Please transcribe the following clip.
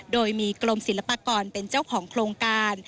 โดยมีกรมศิลปากรเป็นเจ้าของโครงการ